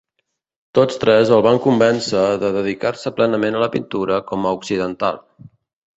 Tots tres el van convèncer de dedicar-se plenament a la pintura com un occidental.